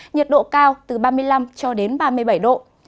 nhiệt độ cao từ ba mươi năm cho đến ba mươi bảy độ